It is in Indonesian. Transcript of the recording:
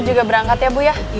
aku juga berangkat ya bu yah